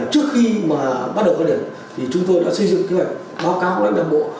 trước khi bắt đầu cao điểm chúng tôi đã xây dựng kế hoạch báo cáo lãnh đạo bộ